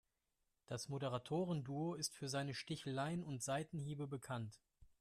Das Moderatoren-Duo ist für seine Sticheleien und Seitenhiebe bekannt.